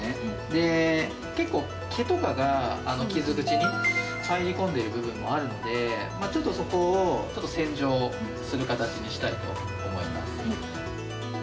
で、結構、毛とかが傷口に入り込んでいる部分もあるので、ちょっとそこを、ちょっと洗浄する形にしたいと思います。